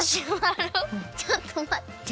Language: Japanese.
ちょっとまって。